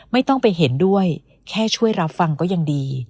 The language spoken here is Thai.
ไม่ต้องไปเห็นด้วยแค่ช่วยรับฟังก็ยังดี